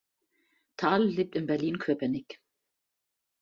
Thal lebt in Berlin-Köpenick.